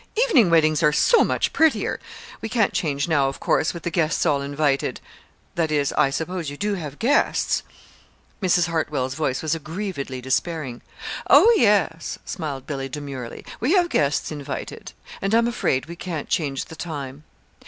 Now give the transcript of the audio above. Evening weddings are so much prettier! We can't change now, of course, with the guests all invited. That is, I suppose you do have guests!" Mrs. Hartwell's voice was aggrievedly despairing. "Oh, yes," smiled Billy, demurely. "We have guests invited and I'm afraid we can't change the time."